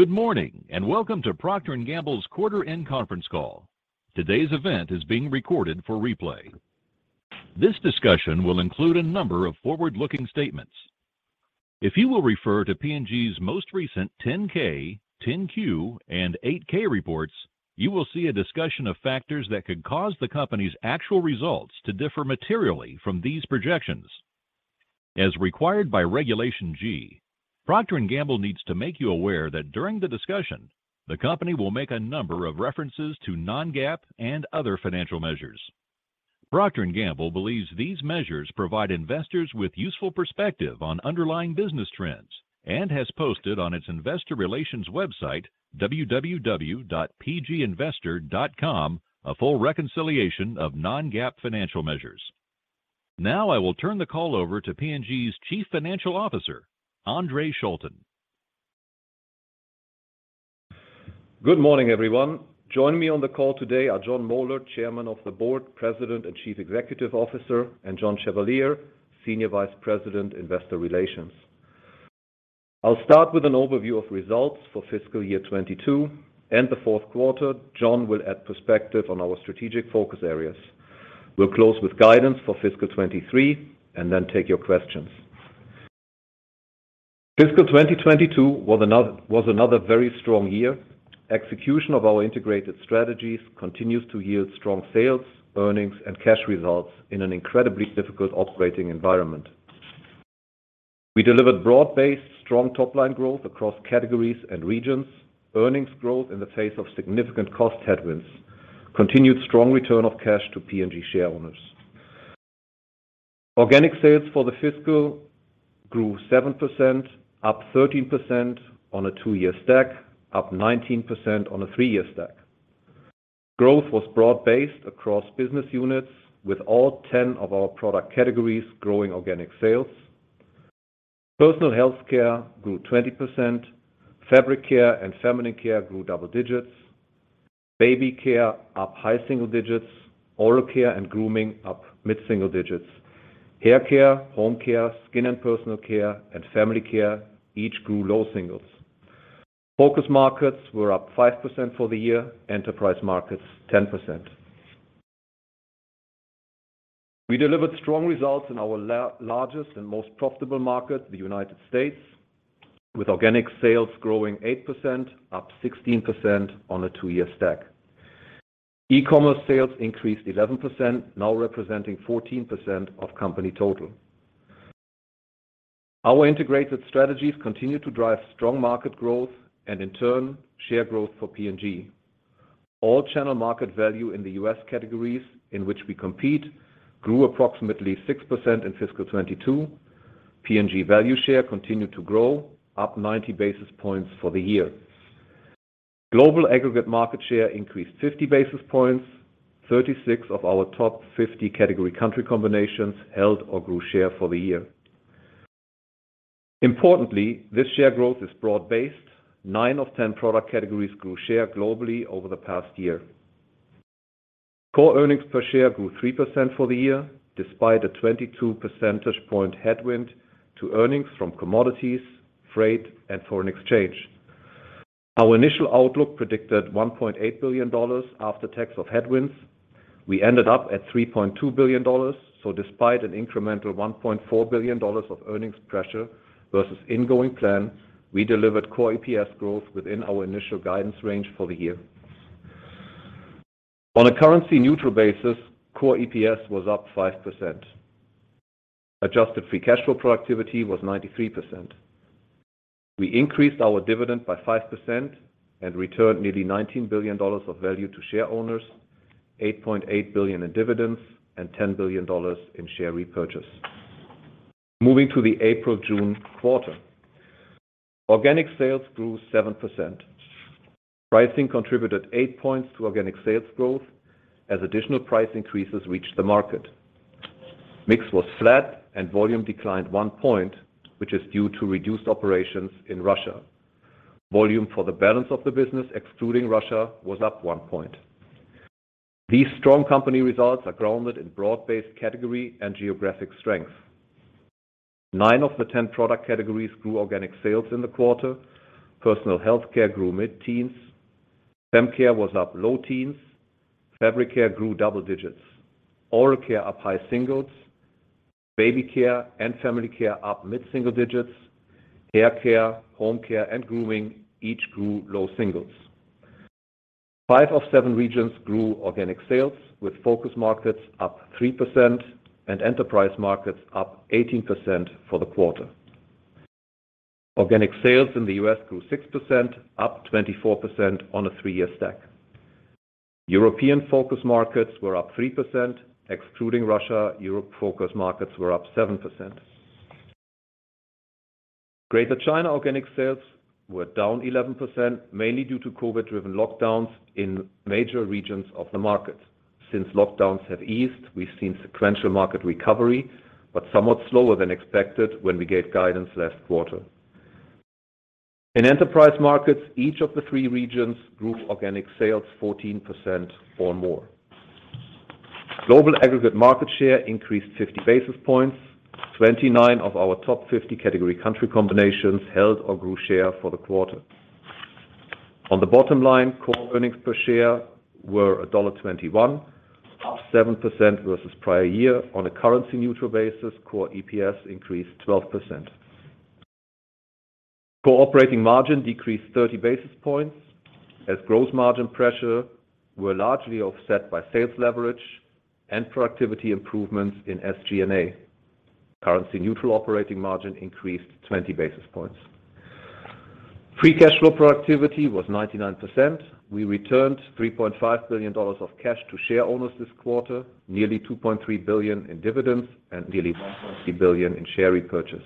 Good morning, and welcome to Procter & Gamble's quarter-end conference call. Today's event is being recorded for replay. This discussion will include a number of forward-looking statements. If you will refer to P&G's most recent 10-K, 10-Q, and 8-K reports, you will see a discussion of factors that could cause the company's actual results to differ materially from these projections. As required by Regulation G, Procter & Gamble needs to make you aware that during the discussion, the company will make a number of references to non-GAAP and other financial measures. Procter & Gamble believes these measures provide investors with useful perspective on underlying business trends, and has posted on its investor relations website, www.pginvestor.com, a full reconciliation of non-GAAP financial measures. Now I will turn the call over to P&G's Chief Financial Officer, Andre Schulten. Good morning, everyone. Joining me on the call today are Jon R. Moeller, Chairman of the Board, President, and Chief Executive Officer, and John Chevalier, Senior Vice President of Investor Relations. I'll start with an overview of results for fiscal year 2022 and the fourth quarter. Jon R. Moeller will add perspective on our strategic focus areas. We'll close with guidance for fiscal 2023 and then take your questions. Fiscal 2022 was another very strong year. Execution of our integrated strategies continues to yield strong sales, earnings, and cash results in an incredibly difficult operating environment. We delivered broad-based, strong top-line growth across categories and regions, earnings growth in the face of significant cost headwinds, continued strong return of cash to P&G shareowners. Organic sales for the fiscal grew 7%, up 13% on a two-year stack, up 19% on a three-year stack. Growth was broad-based across business units with all 10 of our product categories growing organic sales. Personal Health Care grew 20%. Fabric Care and Feminine Care grew double digits. Baby Care up high single digits. Oral Care and Grooming up mid-single digits. Hair Care, Home Care, Family Care each grew low singles. Focus markets were up 5% for the year, enterprise markets 10%. We delivered strong results in our largest and most profitable market, the United States, with organic sales growing 8%, up 16% on a two-year stack. E-commerce sales increased 11%, now representing 14% of company total. Our integrated strategies continue to drive strong market growth and in turn, share growth for P&G. All channel market value in the U.S. categories in which we compete grew approximately 6% in fiscal 2022. P&G value share continued to grow, up 90 basis points for the year. Global aggregate market share increased 50 basis points. 36 of our top 50 category country combinations held or grew share for the year. Importantly, this share growth is broad-based. Nine of 10 product categories grew share globally over the past year. Core earnings per share grew 3% for the year, despite a 22 percentage point headwind to earnings from commodities, freight, and foreign exchange. Our initial outlook predicted $1.8 billion after tax of headwinds. We ended up at $3.2 billion, so despite an incremental $1.4 billion of earnings pressure versus ingoing plan, we delivered core EPS growth within our initial guidance range for the year. On a currency-neutral basis, core EPS was up 5%. Adjusted free cash flow productivity was 93%. We increased our dividend by 5% and returned nearly $19 billion of value to shareowners, $8.8 billion in dividends and $10 billion in share repurchase. Moving to the April-June quarter. Organic sales grew 7%. Pricing contributed eight points to organic sales growth as additional price increases reached the market. Mix was flat and volume declined one point, which is due to reduced operations in Russia. Volume for the balance of the business, excluding Russia, was up one point. These strong company results are grounded in broad-based category and geographic strength. Nine of the 10 product categories grew organic sales in the quarter. Personal Health Care grew mid-teens. Feminine care was up low teens. Fabric Care grew double digits. Oral Care up high singles. Family Care up mid-single digits. Hair Care, Home Care, and Grooming each grew low singles. Five of seven regions grew organic sales, with focus markets up 3% and enterprise markets up 18% for the quarter. Organic sales in the U.S. grew 6%, up 24% on a three-year stack. European focus markets were up 3%. Excluding Russia, Europe focus markets were up 7%. Greater China organic sales were down 11%, mainly due to COVID-driven lockdowns in major regions of the market. Since lockdowns have eased, we've seen sequential market recovery, but somewhat slower than expected when we gave guidance last quarter. In enterprise markets, each of the three regions grew organic sales 14% or more. Global aggregate market share increased 50 basis points, 29 of our top 50 category country combinations held or grew share for the quarter. On the bottom line, core earnings per share were $1.21, up 7% versus prior year. On a currency-neutral basis, core EPS increased 12%. Core operating margin decreased 30 basis points as growth margin pressure were largely offset by sales leverage and productivity improvements in SG&A. Currency-neutral operating margin increased 20 basis points. Free cash flow productivity was 99%. We returned $3.5 billion of cash to shareowners this quarter, nearly $2.3 billion in dividends and nearly $1.3 billion in share repurchase.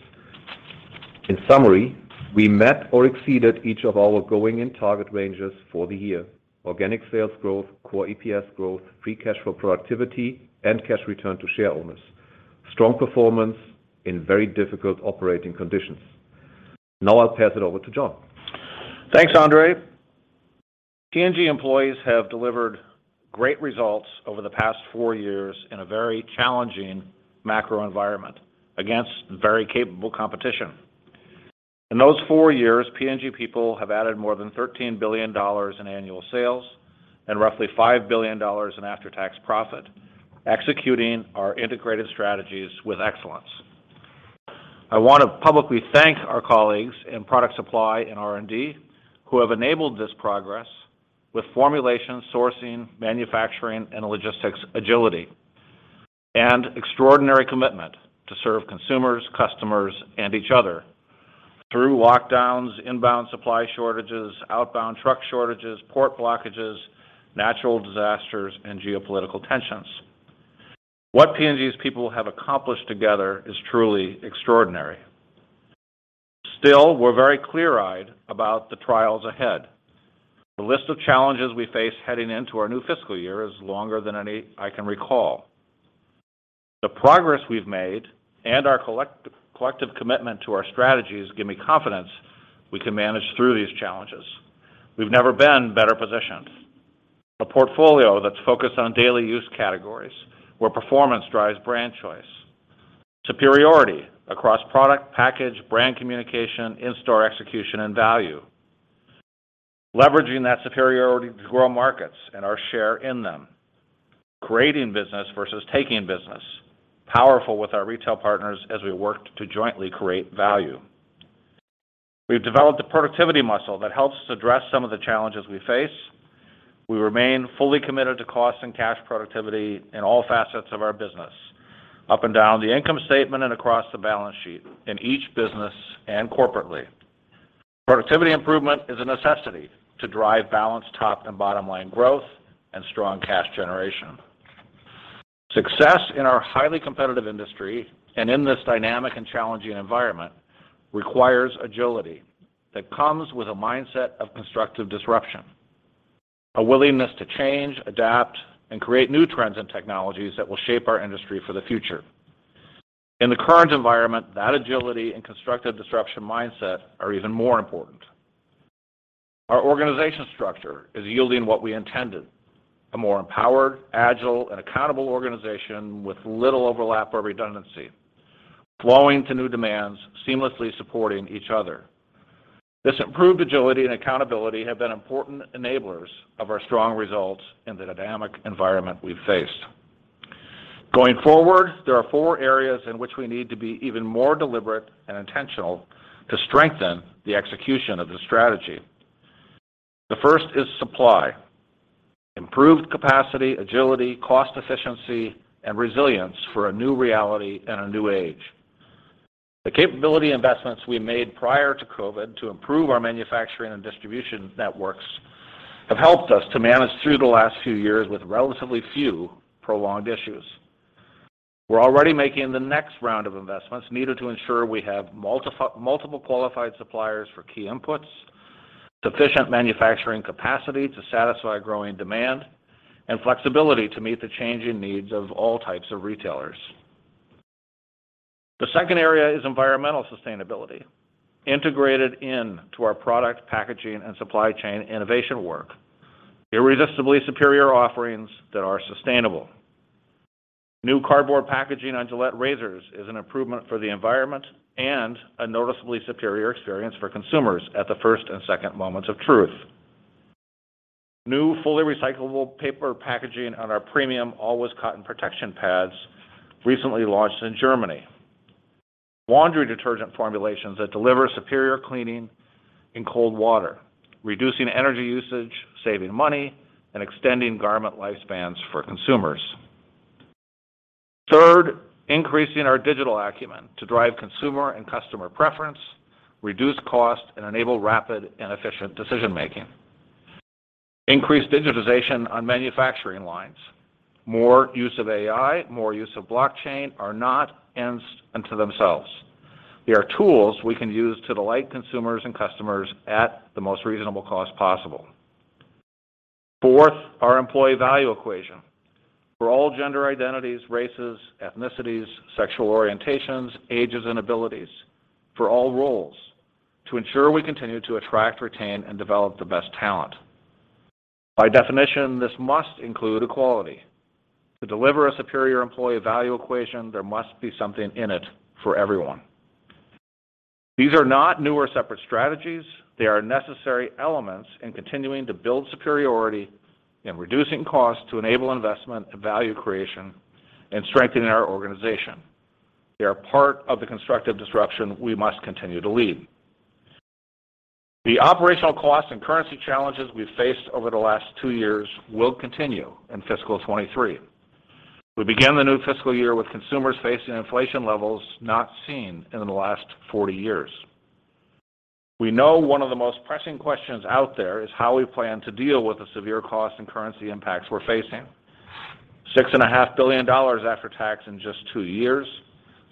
In summary, we met or exceeded each of our going-in target ranges for the year. Organic sales growth, core EPS growth, free cash flow productivity, and cash return to share owners. Strong performance in very difficult operating conditions. Now I'll pass it over to Jon. Thanks, Andre. P&G employees have delivered great results over the past four years in a very challenging macro environment against very capable competition. In those four years, P&G people have added more than $13 billion in annual sales and roughly $5 billion in after-tax profit, executing our integrated strategies with excellence. I want to publicly thank our colleagues in Product Supply and R&D, who have enabled this progress with formulation, sourcing, manufacturing, and logistics agility, and extraordinary commitment to serve consumers, customers, and each other through lockdowns, inbound supply shortages, outbound truck shortages, port blockages, natural disasters, and geopolitical tensions. What P&G's people have accomplished together is truly extraordinary. Still, we're very clear-eyed about the trials ahead. The list of challenges we face heading into our new fiscal year is longer than any I can recall. The progress we've made and our collective commitment to our strategies give me confidence we can manage through these challenges. We've never been better positioned. A portfolio that's focused on daily use categories where performance drives brand choice. Superiority across product, package, brand communication, in-store execution, and value. Leveraging that superiority to grow markets and our share in them. Creating business versus taking business. Powerful with our retail partners as we work to jointly create value. We've developed a productivity muscle that helps us address some of the challenges we face. We remain fully committed to cost and cash productivity in all facets of our business, up and down the income statement and across the balance sheet in each business and corporately. Productivity improvement is a necessity to drive balanced top and bottom-line growth and strong cash generation. Success in our highly competitive industry and in this dynamic and challenging environment requires agility that comes with a mindset of constructive disruption, a willingness to change, adapt, and create new trends and technologies that will shape our industry for the future. In the current environment, that agility and constructive disruption mindset are even more important. Our organization structure is yielding what we intended: a more empowered, agile, and accountable organization with little overlap or redundancy, flowing to new demands, seamlessly supporting each other. This improved agility and accountability have been important enablers of our strong results in the dynamic environment we've faced. Going forward, there are four areas in which we need to be even more deliberate and intentional to strengthen the execution of the strategy. The first is supply. Improved capacity, agility, cost efficiency, and resilience for a new reality and a new age. The capability investments we made prior to COVID to improve our manufacturing and distribution networks have helped us to manage through the last few years with relatively few prolonged issues. We're already making the next round of investments needed to ensure we have multiple qualified suppliers for key inputs, sufficient manufacturing capacity to satisfy growing demand, and flexibility to meet the changing needs of all types of retailers. The second area is environmental sustainability, integrated into our product, packaging, and supply chain innovation work. Irresistibly superior offerings that are sustainable. New cardboard packaging on Gillette razors is an improvement for the environment and a noticeably superior experience for consumers at the first and second moments of truth. New, fully recyclable paper packaging on our premium Always Cotton Protection pads recently launched in Germany. Laundry detergent formulations that deliver superior cleaning in cold water, reducing energy usage, saving money, and extending garment lifespans for consumers. Third, increasing our digital acumen to drive consumer and customer preference, reduce cost, and enable rapid and efficient decision-making. Increased digitization on manufacturing lines. More use of AI, more use of blockchain are not ends unto themselves. They are tools we can use to delight consumers and customers at the most reasonable cost possible. Fourth, our employee value equation. For all gender identities, races, ethnicities, sexual orientations, ages, and abilities, for all roles. To ensure we continue to attract, retain, and develop the best talent. By definition, this must include equality. To deliver a superior employee value equation, there must be something in it for everyone. These are not new or separate strategies. They are necessary elements in continuing to build superiority in reducing costs to enable investment and value creation and strengthening our organization. They are part of the constructive disruption we must continue to lead. The operational costs and currency challenges we've faced over the last two years will continue in fiscal 2023. We begin the new fiscal year with consumers facing inflation levels not seen in the last 40 years. We know one of the most pressing questions out there is how we plan to deal with the severe cost and currency impacts we're facing. $6.5 billion after tax in just twot years,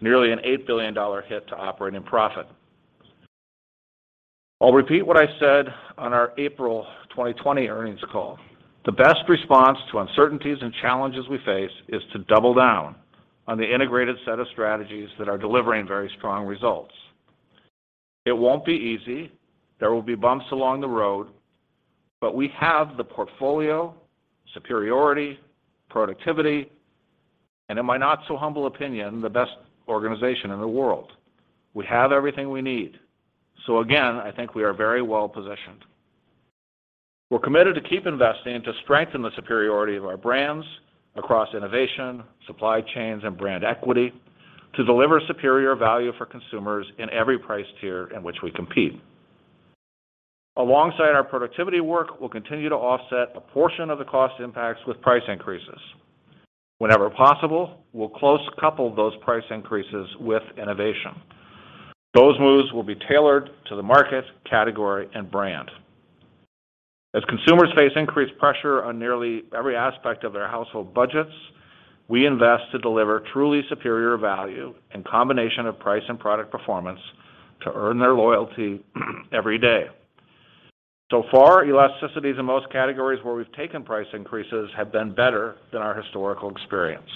nearly an $8 billion hit to operating profit. I'll repeat what I said on our April 2020 earnings call. The best response to uncertainties and challenges we face is to double down on the integrated set of strategies that are delivering very strong results. It won't be easy. There will be bumps along the road, but we have the portfolio, superiority, productivity, and in my not so humble opinion, the best organization in the world. We have everything we need. Again, I think we are very well-positioned. We're committed to keep investing to strengthen the superiority of our brands across innovation, supply chain, and brand equity to deliver superior value for consumers in every price tier in which we compete. Alongside our productivity work, we'll continue to offset a portion of the cost impacts with price increases. Whenever possible, we'll closely couple those price increases with innovation. Those moves will be tailored to the market, category, and brand. As consumers face increased pressure on nearly every aspect of their household budgets, we invest to deliver truly superior value and combination of price and product performance to earn their loyalty every day. So far, elasticities in most categories where we've taken price increases have been better than our historical experience.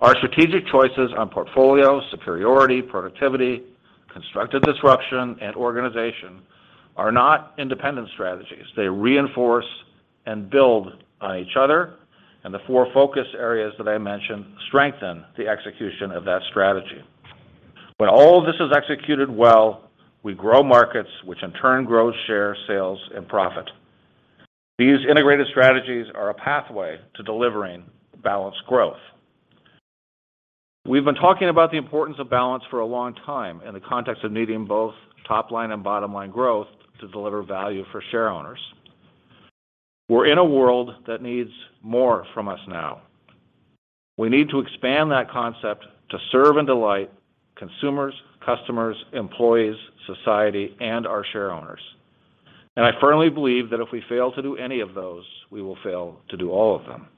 Our strategic choices on portfolio, superiority, productivity, constructive disruption, and organization are not independent strategies. They reinforce and build on each other, and the four focus areas that I mentioned strengthen the execution of that strategy. When all this is executed well, we grow markets, which in turn grows share, sales, and profit. These integrated strategies are a pathway to delivering balanced growth. We've been talking about the importance of balance for a long time in the context of needing both top-line and bottom-line growth to deliver value for shareowners. We're in a world that needs more from us now. We need to expand that concept to serve and delight consumers, customers, employees, society, and our shareowners. I firmly believe that if we fail to do any of those, we will fail to do all of them.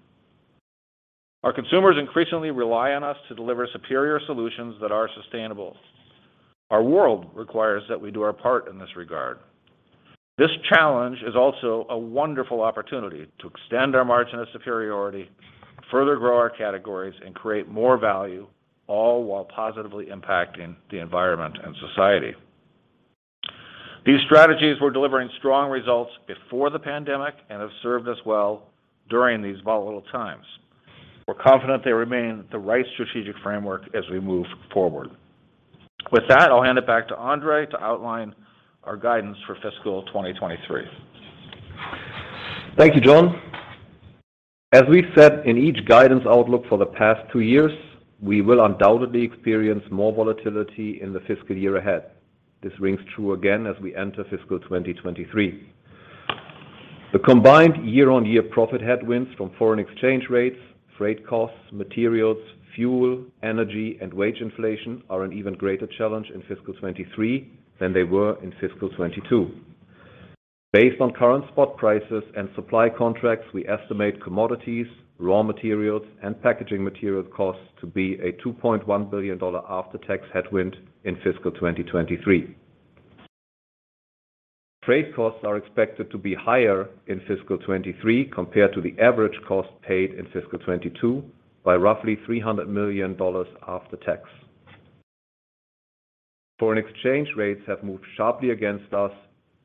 Our consumers increasingly rely on us to deliver superior solutions that are sustainable. Our world requires that we do our part in this regard. This challenge is also a wonderful opportunity to extend our margin of superiority, further grow our categories, and create more value, all while positively impacting the environment and society. These strategies were delivering strong results before the pandemic and have served us well during these volatile times. We're confident they remain the right strategic framework as we move forward. With that, I'll hand it back to Andre to outline our guidance for fiscal 2023. Thank you, Jon. As we said in each guidance outlook for the past two years, we will undoubtedly experience more volatility in the fiscal year ahead. This rings true again as we enter fiscal 2023. The combined year-on-year profit headwinds from foreign exchange rates, freight costs, materials, fuel, energy, and wage inflation are an even greater challenge in fiscal 2023 than they were in fiscal 2022. Based on current spot prices and supply contracts, we estimate commodities, raw materials, and packaging material costs to be a $2.1 billion after-tax headwind in fiscal 2023. Freight costs are expected to be higher in fiscal 2023 compared to the average cost paid in fiscal 2022 by roughly $300 million after tax. Foreign exchange rates have moved sharply against us,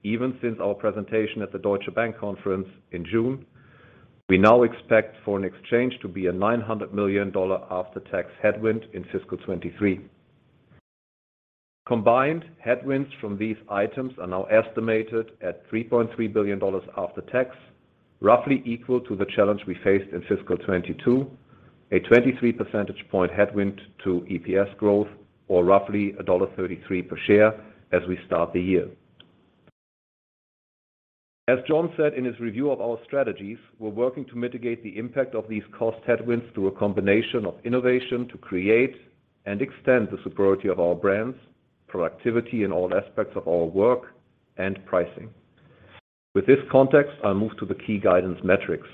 even since our presentation at the Deutsche Bank Conference in June. We now expect foreign exchange to be a $900 million after-tax headwind in fiscal 2023. Combined headwinds from these items are now estimated at $3.3 billion after tax, roughly equal to the challenge we faced in fiscal 2022, a 23 percentage points headwind to EPS growth, or roughly $1.33 per share as we start the year. As Jon said in his review of our strategies, we're working to mitigate the impact of these cost headwinds through a combination of innovation to create and extend the superiority of our brands, productivity in all aspects of our work, and pricing. With this context, I'll move to the key guidance metrics.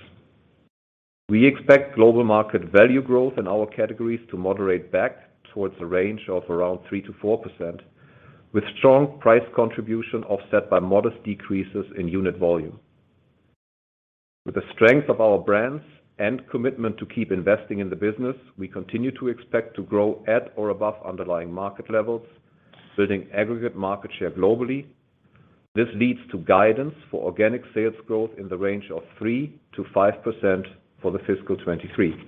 We expect global market value growth in our categories to moderate back towards a range of around 3%-4%, with strong price contribution offset by modest decreases in unit volume. With the strength of our brands and commitment to keep investing in the business, we continue to expect to grow at or above underlying market levels, building aggregate market share globally. This leads to guidance for organic sales growth in the range of 3%-5% for fiscal 2023.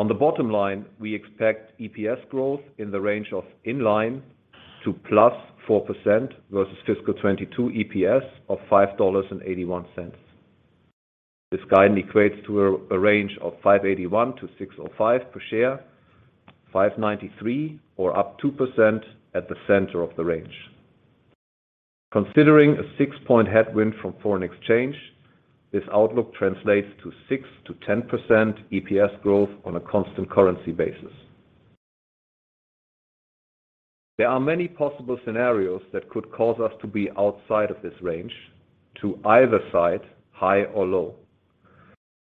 On the bottom line, we expect EPS growth in the range of in line to +4% versus fiscal 2022 EPS of $5.81. This guide equates to a range of $5.81-$6.05 per share, $5.93 or up 2% at the center of the range. Considering a six-point headwind from foreign exchange, this outlook translates to 6%-10% EPS growth on a constant-currency basis. There are many possible scenarios that could cause us to be outside of this range to either side, high or low.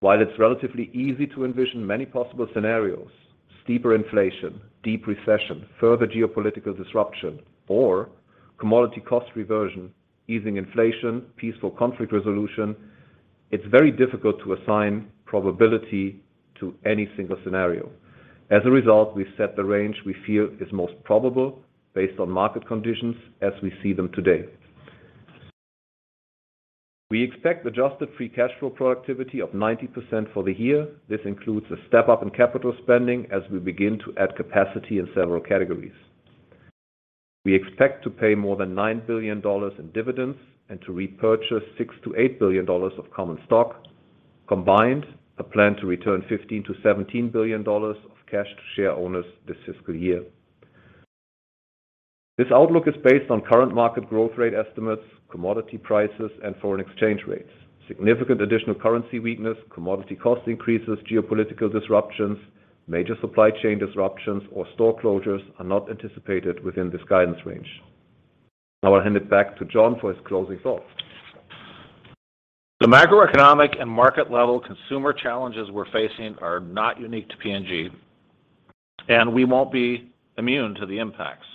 While it's relatively easy to envision many possible scenarios, steeper inflation, deep recession, further geopolitical disruption, or commodity cost reversion, easing inflation, peaceful conflict resolution, it's very difficult to assign probability to any single scenario. As a result, we set the range we feel is most probable based on market conditions as we see them today. We expect adjusted free cash flow productivity of 90% for the year. This includes a step-up in capital spending as we begin to add capacity in several categories. We expect to pay more than $9 billion in dividends and to repurchase $6 billion-$8 billion of common stock. Combined, a plan to return $15 billion-$17 billion of cash to shareowners this fiscal year. This outlook is based on current market growth rate estimates, commodity prices, and foreign exchange rates. Significant additional currency weakness, commodity cost increases, geopolitical disruptions, major supply chain disruptions or store closures are not anticipated within this guidance range. Now I'll hand it back to Jon for his closing thoughts. The macroeconomic and market-level consumer challenges we're facing are not unique to P&G, and we won't be immune to the impacts.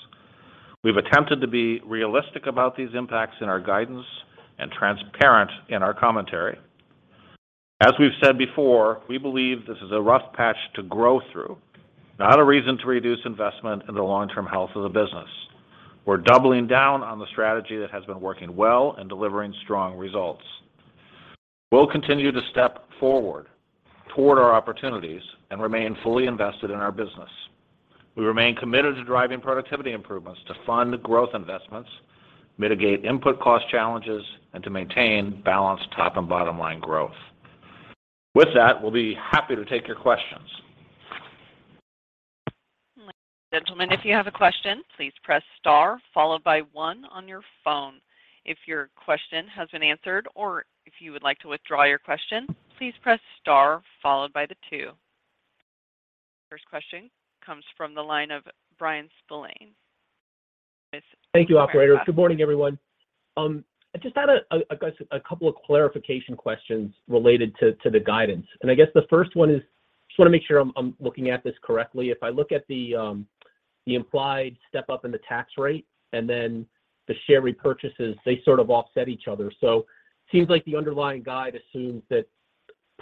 We've attempted to be realistic about these impacts in our guidance and transparent in our commentary. As we've said before, we believe this is a rough patch to grow through, not a reason to reduce investment in the long-term health of the business. We're doubling down on the strategy that has been working well and delivering strong results. We'll continue to step forward toward our opportunities and remain fully invested in our business. We remain committed to driving productivity improvements to fund growth investments, mitigate input cost challenges, and to maintain balanced top and bottom-line growth. With that, we'll be happy to take your questions. Ladies and gentlemen, if you have a question, please press star followed by one on your phone. If your question has been answered or if you would like to withdraw your question, please press star followed by the two. First question comes from the line of Bryan Spillane with Bank of America. Thank you, Operator. Good morning, everyone. I just had, I guess, a couple of clarification questions related to the guidance. I guess the first one is, just wanna make sure I'm looking at this correctly. If I look at the implied step-up in the tax rate and then the share repurchases, they sort of offset each other. Seems like the underlying guide assumes that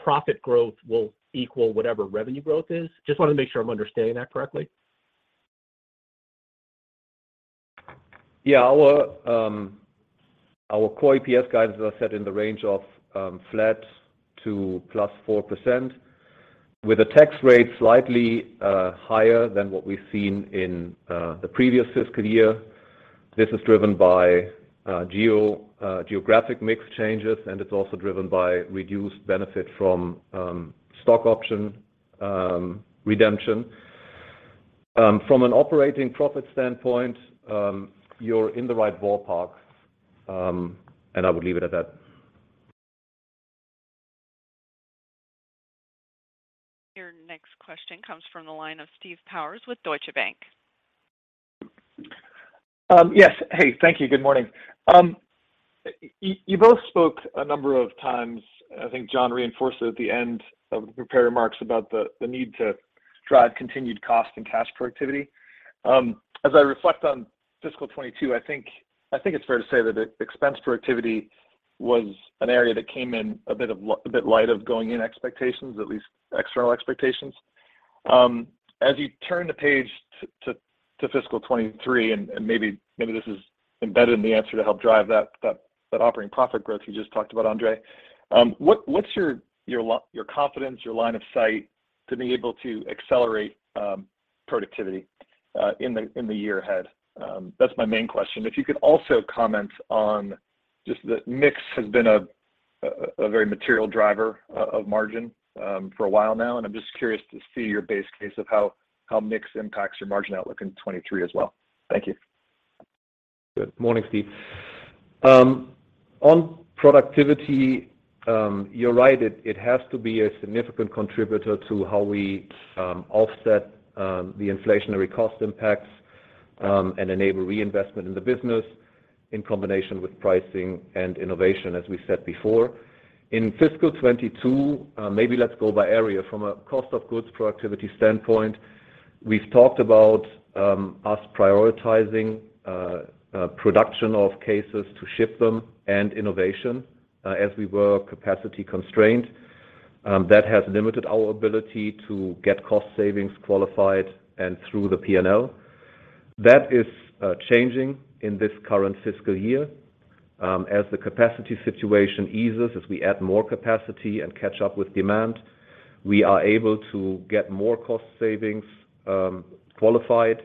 profit growth will equal whatever revenue growth is. Just wanted to make sure I'm understanding that correctly. Yeah. Our core EPS guidance was set in the range of flat to +4%, with the tax rate slightly higher than what we've seen in the previous fiscal year. This is driven by geographic mix changes, and it's also driven by reduced benefit from stock option redemption. From an operating profit standpoint, you're in the right ballpark, and I would leave it at that. Your next question comes from the line of Steve Powers with Deutsche Bank. Yes. Hey, thank you. Good morning. You both spoke a number of times, I think Jon reinforced it at the end of the prepared remarks about the need to drive continued cost and cash productivity. As I reflect on fiscal 2022, I think it's fair to say that the expense productivity was an area that came in a bit light of going-in expectations, at least external expectations. As you turn the page to fiscal 2023, and maybe this is embedded in the answer to help drive that operating profit growth you just talked about, Andre, what's your confidence, your line of sight to being able to accelerate productivity in the year ahead? That's my main question. If you could also comment on just the mix has been a very material driver of margin for a while now, and I'm just curious to see your base case of how mix impacts your margin outlook in 2023 as well. Thank you. Good morning, Steve. On productivity, you're right. It has to be a significant contributor to how we offset the inflationary cost impacts and enable reinvestment in the business in combination with pricing and innovation, as we said before. In fiscal 2022, maybe let's go by area. From a cost-of-goods productivity standpoint, we've talked about us prioritizing production of cases to ship them and innovation as we were capacity constrained. That has limited our ability to get cost savings qualified and through the P&L. That is changing in this current fiscal year. As the capacity situation eases, as we add more capacity and catch up with demand, we are able to get more cost savings qualified,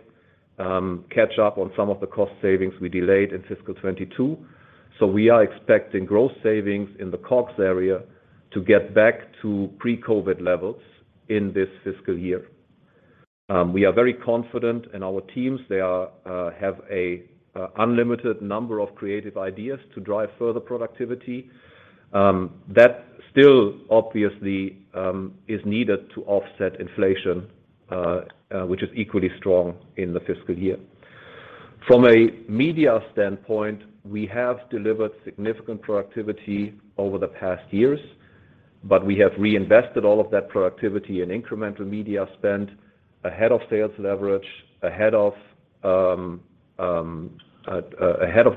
catch up on some of the cost savings we delayed in fiscal 2022. We are expecting growth savings in the COGS area to get back to pre-COVID levels in this fiscal year. We are very confident in our teams. They have an unlimited number of creative ideas to drive further productivity. That still obviously is needed to offset inflation, which is equally strong in the fiscal year. From a media standpoint, we have delivered significant productivity over the past years, but we have reinvested all of that productivity in incremental media spend ahead of sales leverage, ahead of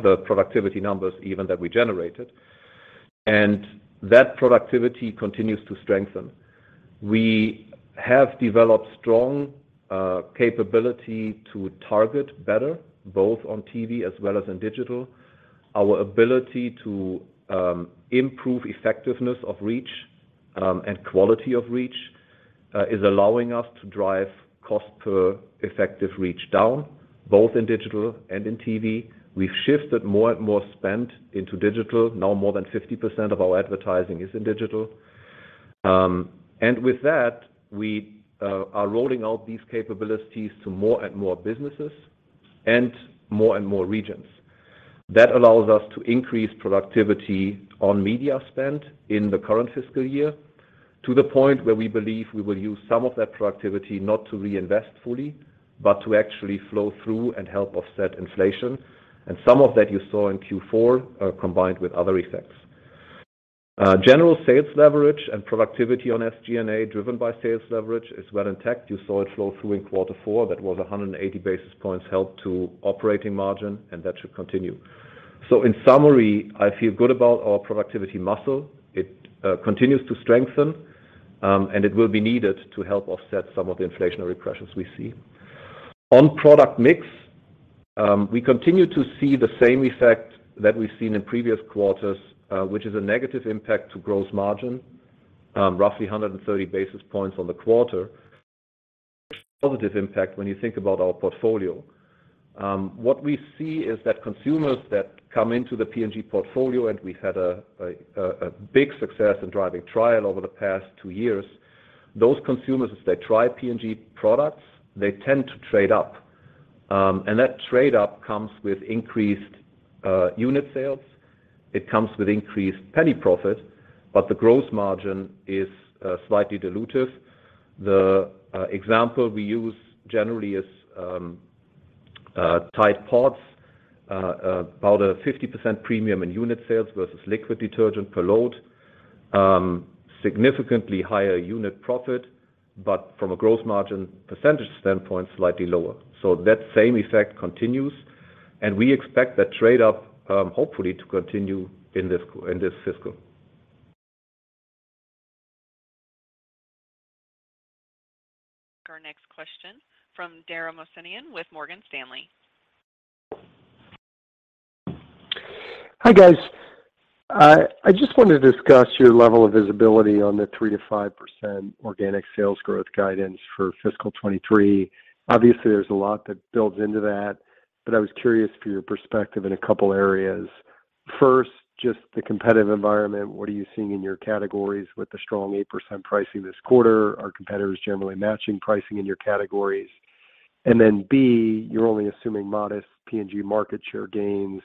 the productivity numbers even that we generated. That productivity continues to strengthen. We have developed strong capability to target better, both on TV as well as in digital. Our ability to improve effectiveness of reach and quality of reach is allowing us to drive cost per effective reach down, both in digital and in TV. We've shifted more and more spend into digital. Now more than 50% of our advertising is in digital. With that, we are rolling out these capabilities to more and more businesses and more and more regions. That allows us to increase productivity on media spend in the current fiscal year to the point where we believe we will use some of that productivity not to reinvest fully, but to actually flow through and help offset inflation. Some of that you saw in Q4, combined with other effects. General sales leverage and productivity on SG&A driven by sales leverage is well intact. You saw it flow through in Q4. That was 180 basis points help to operating margin, and that should continue. In summary, I feel good about our productivity muscle. It continues to strengthen, and it will be needed to help offset some of the inflationary pressures we see. On product mix, we continue to see the same effect that we've seen in previous quarters, which is a negative impact to gross margin, roughly 130 basis points on the quarter. Positive impact when you think about our portfolio. What we see is that consumers that come into the P&G portfolio, and we've had a big success in driving trial over the past two years, those consumers, as they try P&G products, they tend to trade up. And that trade up comes with increased unit sales. It comes with increased penny profit, but the gross margin is slightly dilutive. The example we use generally is Tide PODS. About a 50% premium in unit sales versus liquid detergent per load. Significantly higher unit profit, but from a gross margin percentage standpoint, slightly lower. That same effect continues, and we expect that trade up, hopefully to continue in this fiscal. Our next question from Dara Mohsenian with Morgan Stanley. Hi, guys. I just wanted to discuss your level of visibility on the 3%-5% organic sales growth guidance for fiscal 2023. Obviously, there's a lot that builds into that, but I was curious for your perspective in a couple areas. First, just the competitive environment. What are you seeing in your categories with the strong 8% pricing this quarter? Are competitors generally matching pricing in your categories? And then B, you're only assuming modest P&G market share gains,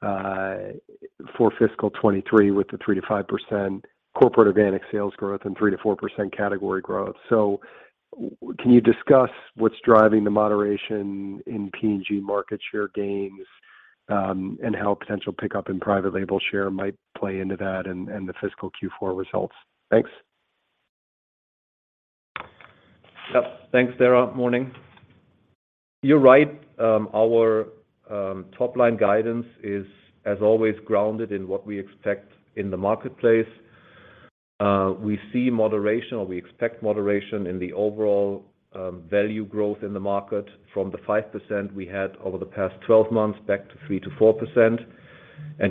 for fiscal 2023 with the 3%-5% corporate organic sales growth and 3%-4% category growth. Can you discuss what's driving the moderation in P&G market share gains, and how potential pickup in private-label share might play into that and the fiscal Q4 results? Thanks. Yeah. Thanks, Dara. Morning. You're right. Our top-line guidance is, as always, grounded in what we expect in the marketplace. We see moderation, or we expect moderation in the overall value growth in the market from the 5% we had over the past 12 months back to 3%-4%.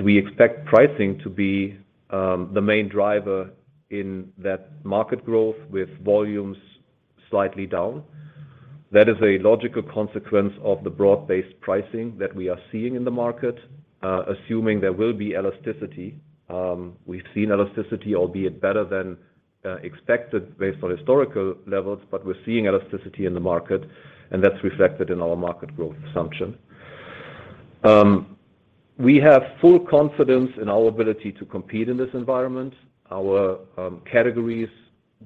We expect pricing to be the main driver in that market growth with volumes slightly down. That is a logical consequence of the broad-based pricing that we are seeing in the market, assuming there will be elasticity. We've seen elasticity, albeit better than expected based on historical levels, but we're seeing elasticity in the market, and that's reflected in our market growth assumption. We have full confidence in our ability to compete in this environment. Our categories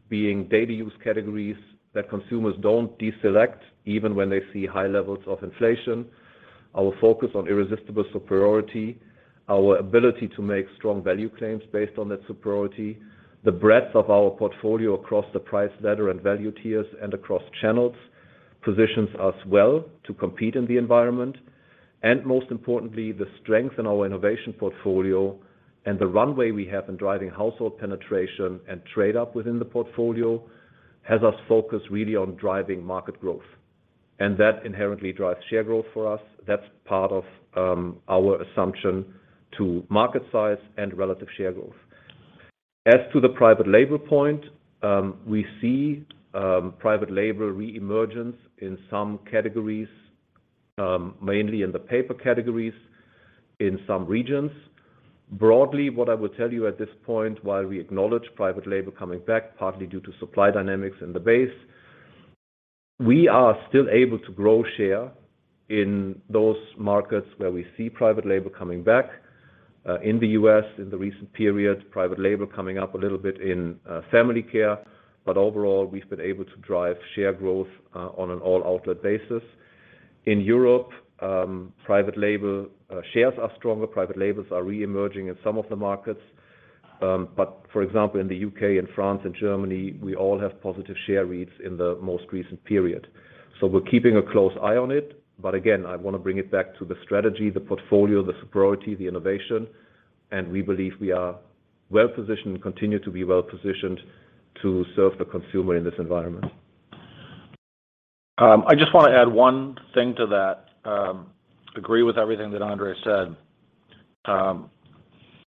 being daily use categories that consumers don't deselect, even when they see high levels of inflation. Our focus on irresistible superiority, our ability to make strong value claims based on that superiority, the breadth of our portfolio across the price ladder and value tiers and across channels, positions us well to compete in the environment. Most importantly, the strength in our innovation portfolio and the runway we have in driving household penetration and trade-up within the portfolio has us focused really on driving market growth. That inherently drives share growth for us. That's part of our assumption to market size and relative share growth. As to the private-label point, we see private-label reemergence in some categories, mainly in the paper categories in some regions. Broadly, what I would tell you at this point, while we acknowledge private-label coming back, partly due to supply dynamics in the base, we are still able to grow share in those markets where we see private-label coming back. In the U.S., in the recent period, private-label coming up a little Family Care. overall, we've been able to drive share growth on an all-outlet basis. In Europe, private-label shares are stronger. Private-labels are reemerging in some of the markets. For example, in the U.K. and France and Germany, we all have positive share reads in the most recent period. We're keeping a close eye on it. Again, I wanna bring it back to the strategy, the portfolio, the superiority, the innovation. We believe we are well-positioned, continue to be well-positioned to serve the consumer in this environment. I just wanna add one thing to that. Agree with everything that Andre said.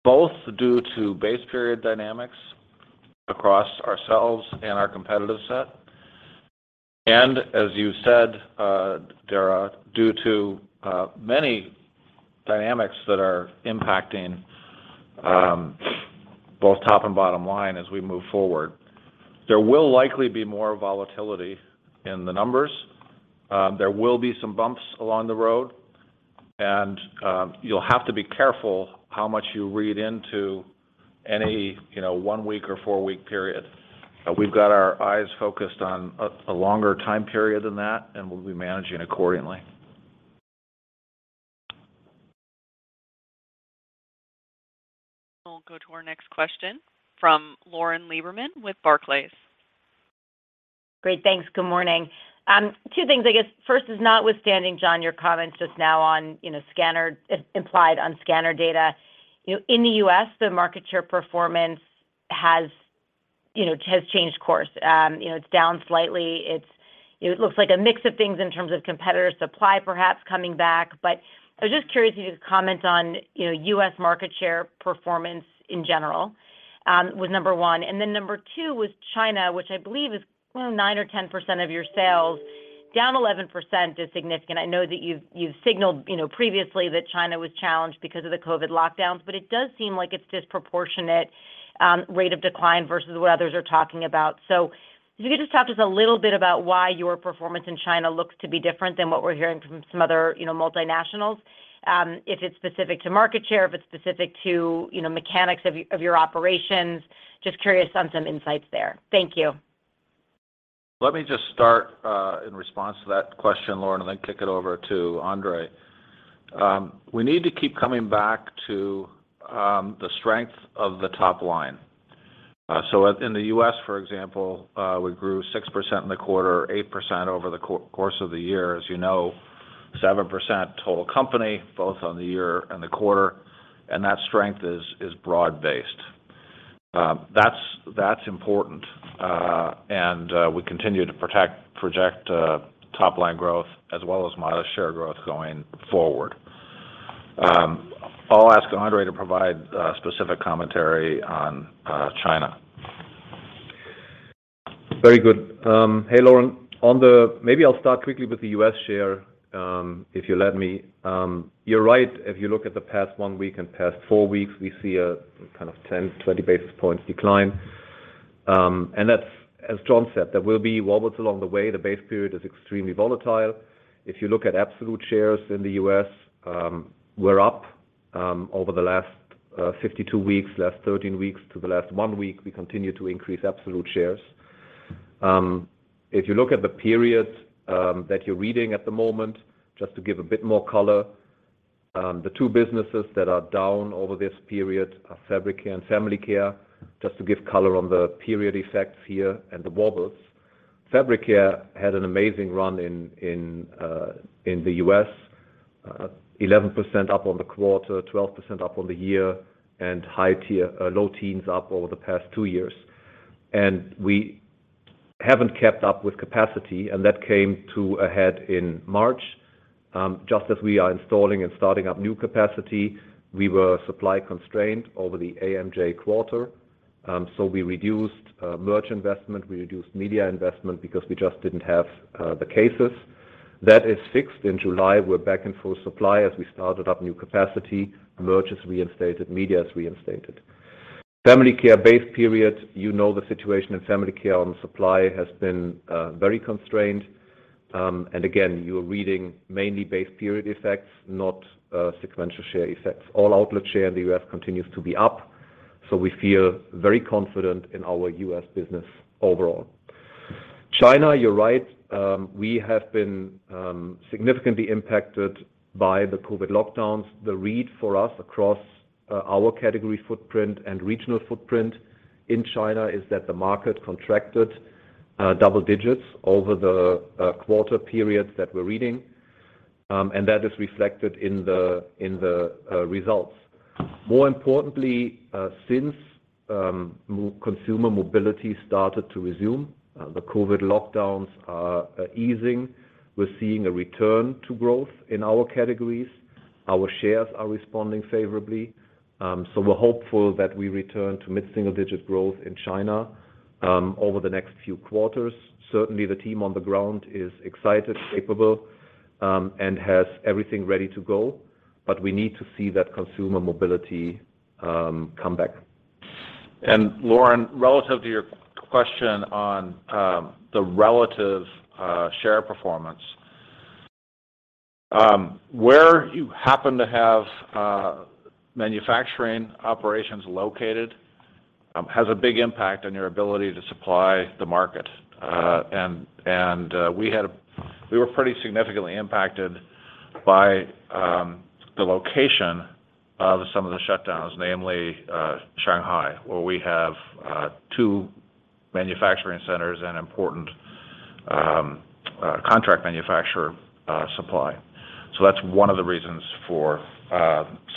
Both due to base period dynamics across ourselves and our competitive set, and as you said, Dara, due to many dynamics that are impacting both top and bottom-line as we move forward. There will likely be more volatility in the numbers. There will be some bumps along the road, and you'll have to be careful how much you read into any, you know, one-week or four-week period. We've got our eyes focused on a longer time period than that, and we'll be managing accordingly. We'll go to our next question from Lauren Lieberman with Barclays. Great. Thanks. Good morning. Two things, I guess. First is notwithstanding, Jon, your comments just now on, you know, scanner data. You know, in the U.S., the market share performance has you know changed course. You know, it's down slightly. You know, it looks like a mix of things in terms of competitor supply perhaps coming back. I was just curious if you could comment on, you know, U.S. market share performance in general. Was number one. Number two was China, which I believe is, well, 9 or 10% of your sales. Down 11% is significant. I know that you've signaled you know previously that China was challenged because of the COVID lockdowns, but it does seem like it's disproportionate rate of decline versus what others are talking about. If you could just talk to us a little bit about why your performance in China looks to be different than what we're hearing from some other, you know, multinationals. If it's specific to market share, if it's specific to, you know, mechanics of your operations, just curious on some insights there. Thank you. Let me just start in response to that question, Lauren, and then kick it over to Andre. We need to keep coming back to the strength of the top-line. In the U.S. for example, we grew 6% in the quarter, 8% over the course of the year. As you know, 7% total company, both on the year and the quarter, and that strength is broad-based. That's important, and we continue to project top-line growth as well as market share growth going forward. I'll ask Andre to provide specific commentary on China. Very good. Hey, Lauren. Maybe I'll start quickly with the U.S. share, if you let me. You're right. If you look at the past one week and past four weeks, we see a kind of 10, 20 basis points decline. That's, as Jon said, there will be wobbles along the way. The base period is extremely volatile. If you look at absolute shares in the U.S., we're up over the last 52 weeks, last 13 weeks to the last one week, we continue to increase absolute shares. If you look at the periods that you're reading at the moment, just to give a bit more color, the two businesses that are down over this period are Family Care, just to give color on the period effects here and the wobbles. Fabric Care had an amazing run in the U.S., 11% up on the quarter, 12% up on the year, and high-teens, low-teens up over the past two years. We haven't kept up with capacity, and that came to a head in March. Just as we are installing and starting up new capacity, we were supply constrained over the AMJ quarter. We reduced merch investment, we reduced media investment because we just didn't have the cases. That is fixed in July. We're back in full supply as we started up new capacity. Merch is reinstated, media Family Care base period. You know the Family Care on supply has been very constrained. Again, you're reading mainly base period effects, not sequential share effects. All outlet share in the U.S. continues to be up, so we feel very confident in our U.S. business overall. China, you're right. We have been significantly impacted by the COVID lockdowns. The read for us across our category footprint and regional footprint in China is that the market contracted double digits over the quarter periods that we're reading, and that is reflected in the results. More importantly, since consumer mobility started to resume, the COVID lockdowns are easing, we're seeing a return to growth in our categories. Our shares are responding favorably. We're hopeful that we return to mid-single digit growth in China over the next few quarters. Certainly, the team on the ground is excited, capable, and has everything ready to go, but we need to see that consumer mobility come back. Lauren, relative to your question on the relative share performance, where you happen to have manufacturing operations located has a big impact on your ability to supply the market. We were pretty significantly impacted by the location of some of the shutdowns, namely Shanghai, where we have two manufacturing centers and important contract manufacturer supply. That's one of the reasons for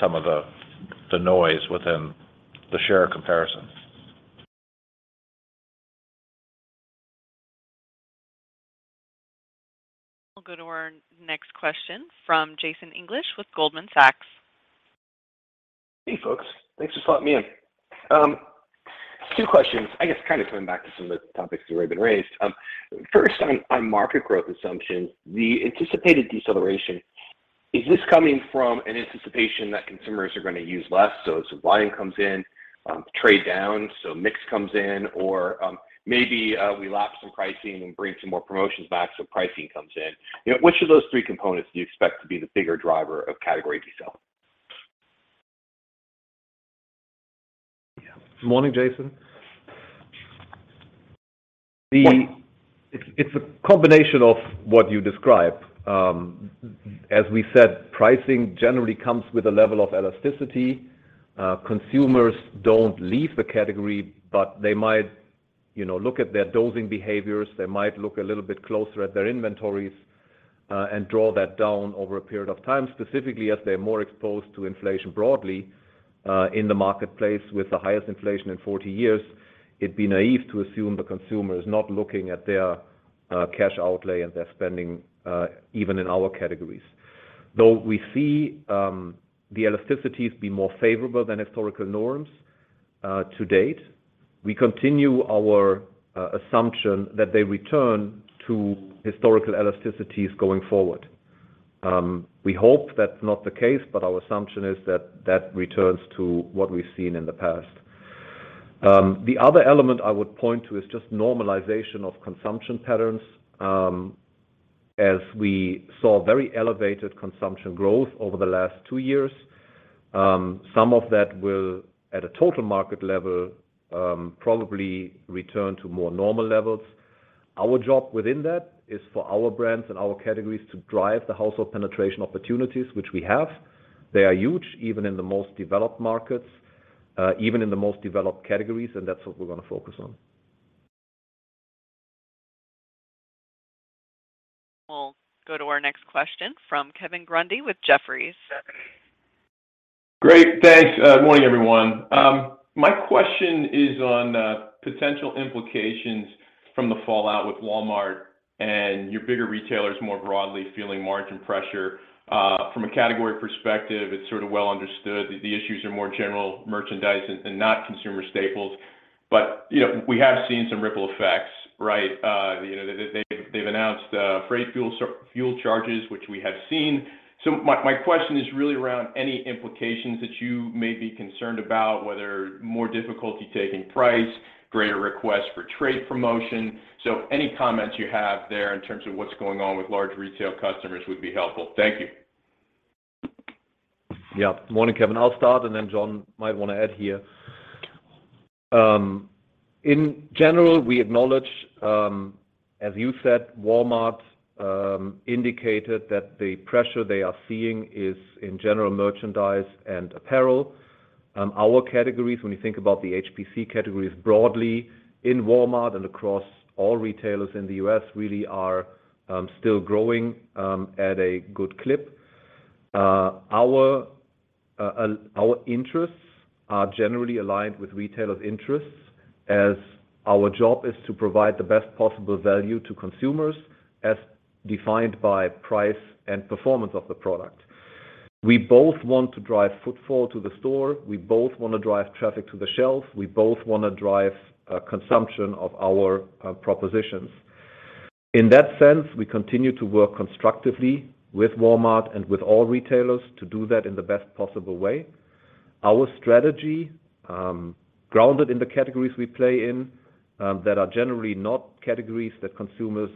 some of the noise within the share comparisons. We'll go to our next question from Jason English with Goldman Sachs. Hey, folks. Thanks for slotting me in. Two questions, I guess kind of coming back to some of the topics that have already been raised. First on market growth assumptions, the anticipated deceleration, is this coming from an anticipation that consumers are gonna use less, so supplying comes in, trade down, so mix comes in or maybe we lap some pricing and bring some more promotions back, so pricing comes in. You know, which of those three components do you expect to be the bigger driver of category decelerating? Yeah. Good morning, Jason. It's a combination of what you described. As we said, pricing generally comes with a level of elasticity. Consumers don't leave the category, but they might, you know, look at their dosing behaviors. They might look a little bit closer at their inventories, and draw that down over a period of time, specifically as they're more exposed to inflation broadly, in the marketplace with the highest inflation in 40 years. It'd be naive to assume the consumer is not looking at their cash outlay and their spending, even in our categories. Though we see the elasticities be more favorable than historical norms, to date, we continue our assumption that they return to historical elasticities going forward. We hope that's not the case, but our assumption is that that returns to what we've seen in the past. The other element I would point to is just normalization of consumption patterns. As we saw very elevated consumption growth over the last two years, some of that will, at a total market level, probably return to more normal levels. Our job within that is for our brands and our categories to drive the household penetration opportunities, which we have. They are huge, even in the most developed markets, even in the most developed categories, and that's what we're gonna focus on. We'll go to our next question from Kevin Grundy with Jefferies. Great. Thanks. Good morning, everyone. My question is on potential implications from the fallout with Walmart and your bigger retailers more broadly feeling margin pressure. From a category perspective, it's sort of well understood. The issues are more general merchandise and not consumer staples. You know, we have seen some ripple effects, right? You know, they've announced freight fuel surcharges, which we have seen. My question is really around any implications that you may be concerned about, whether more difficulty taking price, greater requests for trade promotion. Any comments you have there in terms of what's going on with large retail customers would be helpful. Thank you. Yeah. Good morning, Kevin. I'll start, and then Jon might wanna add here. In general, we acknowledge, as you said, Walmart indicated that the pressure they are seeing is in general merchandise and apparel. Our categories, when you think about the HPC categories broadly in Walmart and across all retailers in the U.S., really are still growing at a good clip. Our interests are generally aligned with retailers' interests, as our job is to provide the best possible value to consumers as defined by price and performance of the product. We both want to drive footfall to the store. We both wanna drive traffic to the shelf. We both wanna drive consumption of our propositions. In that sense, we continue to work constructively with Walmart and with all retailers to do that in the best possible way. Our strategy, grounded in the categories we play in, that are generally not categories that consumers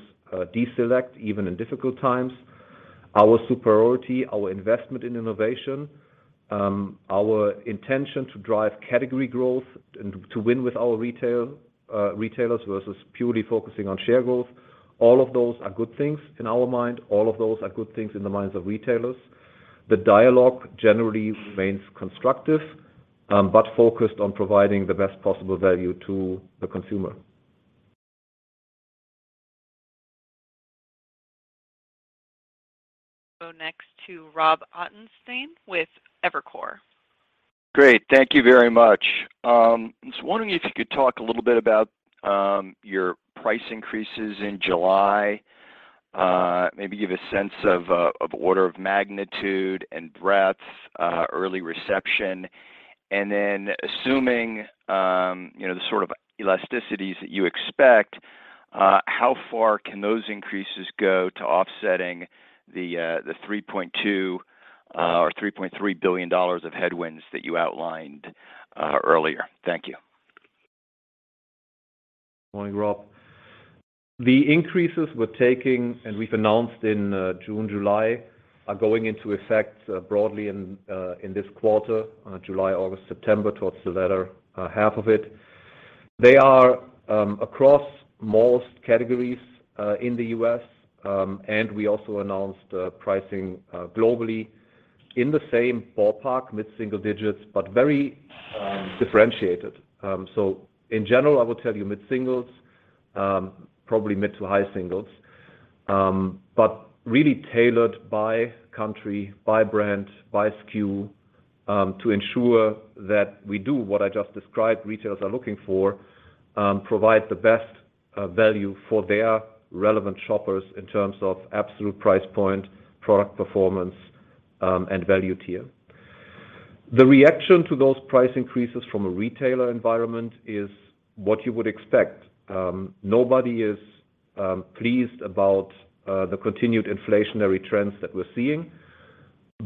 deselect even in difficult times. Our superiority, our investment in innovation, our intention to drive category growth and to win with our retail retailers versus purely focusing on share growth. All of those are good things in our mind. All of those are good things in the minds of retailers. The dialogue generally remains constructive, but focused on providing the best possible value to the consumer. Go next to Robert Ottenstein with Evercore. Great. Thank you very much. I was wondering if you could talk a little bit about your price increases in July. Maybe give a sense of order of magnitude and breadth, early reception. Then assuming you know, the sort of elasticities that you expect, how far can those increases go to offsetting the $3.2 billion or $3.3 billion of headwinds that you outlined earlier? Thank you. Morning, Rob. The increases we're taking, and we've announced in June, July, are going into effect broadly in this quarter, July, August, September, towards the latter half of it. They are across most categories in the U.S. We also announced pricing globally in the same ballpark, mid-single digits, but very differentiated. In general, I would tell you mid-singles, probably mid- to high-singles, but really tailored by country, by brand, by SKU, to ensure that we do what I just described, retailers are looking for, provide the best value for their relevant shoppers in terms of absolute price point, product performance, and value tier. The reaction to those price increases from a retailer environment is what you would expect. Nobody is pleased about the continued inflationary trends that we're seeing,